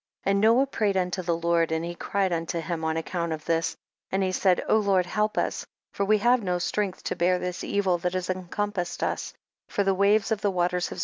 31. And Noah prayed unto the Lord, and he cried unto him on ac count of this, and he said, Lord help us, for we have no strength to bear this evil that has encompassed us, for the waves of the waters have